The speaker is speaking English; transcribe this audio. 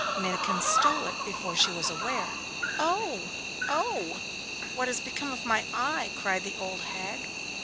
Minnikin stole it before she was aware. 'Oh! oh! what has become of my eye?' cried the old hag.